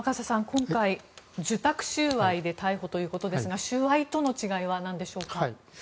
今回、受託収賄で逮捕ということですが収賄との違いは何でしょうか。